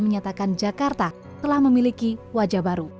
menyatakan jakarta telah memiliki wajah baru